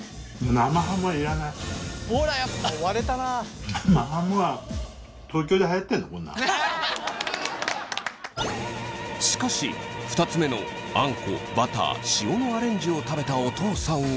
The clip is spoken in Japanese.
生ハムはしかし２つ目のあんこバター塩のアレンジを食べたお父さんは。